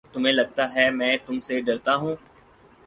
تمہیں لگتا ہے میں تم سے ڈرتا ہوں؟